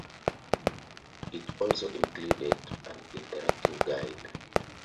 It also included an interactive guide.